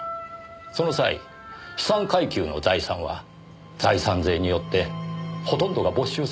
その際資産階級の財産は財産税によってほとんどが没収されたのです。